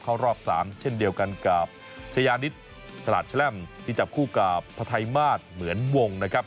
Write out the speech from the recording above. รอบ๓เช่นเดียวกันกับชายานิดฉลาดแชล่มที่จับคู่กับพระไทยมาศเหมือนวงนะครับ